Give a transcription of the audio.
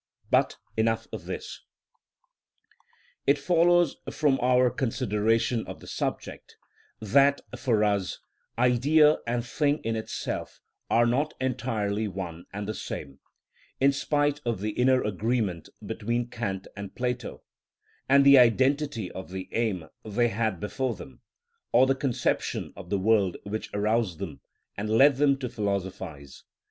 But enough of this.(45) § 32. It follows from our consideration of the subject, that, for us, Idea and thing in itself are not entirely one and the same, in spite of the inner agreement between Kant and Plato, and the identity of the aim they had before them, or the conception of the world which roused them and led them to philosophise.